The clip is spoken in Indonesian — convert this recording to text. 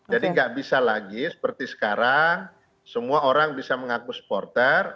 jadi gak bisa lagi seperti sekarang semua orang bisa mengaku supporter